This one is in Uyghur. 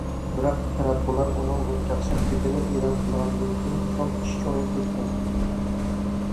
بىراق، تاراتقۇلار ئۇنىڭ بۇ چاقچاق گېپىنى ئېلان قىلغاندىن كېيىن ئىش چوڭىيىپ كەتكەن.